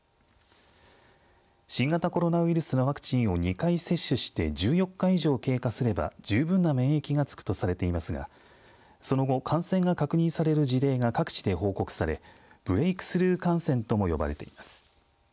新型コロナウイルスのワクチンを２回接種して１４日以上経過すれば十分な免疫がつくとされていますがその後、感染が確認される事例が各地で報告されブレイクスルー感染とも呼ばれています。